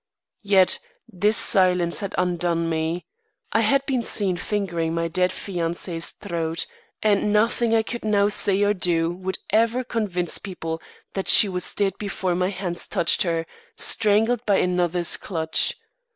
Yet this silence had undone me. I had been seen fingering my dead betrothed's throat, and nothing I could now say or do would ever convince people that she was dead before my hands touched her, strangled by another's clutch.